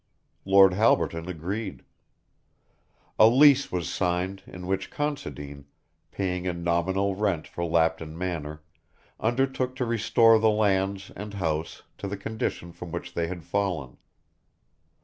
Lord Halberton agreed. A lease was signed in which Considine, paying a nominal rent for Lapton Manor, undertook to restore the lands and house to the condition from which they had fallen.